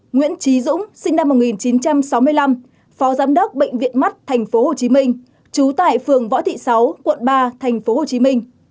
nguyễn trí dũng sinh năm một nghìn chín trăm sáu mươi năm phó giám đốc bệnh viện mắt tp hcm trú tại phường võ thị sáu quận ba tp hcm